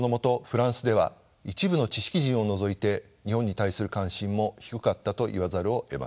フランスでは一部の知識人を除いて日本に対する関心も低かったと言わざるをえません。